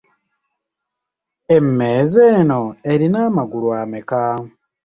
Emmeeza eno erina amagulu ameka?